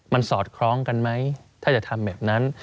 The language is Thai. มันสอดคล้องกันไหมถ้าจะทำแบบนั้น